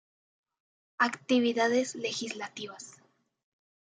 Actividades Legislativas.